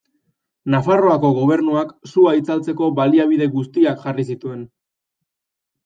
Nafarroako Gobernuak sua itzaltzeko baliabide guztiak jarri zituen.